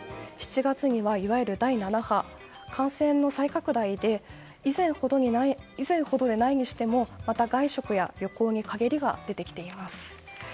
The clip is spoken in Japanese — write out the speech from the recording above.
７月には、いわゆる第７波感染の再拡大で以前ほどではないにしても外食や旅行に陰りが出てきています。